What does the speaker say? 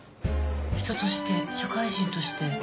人として社会人として。